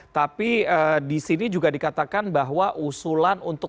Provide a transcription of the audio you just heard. tapi di sini juga dikatakan bahwa usulan untuk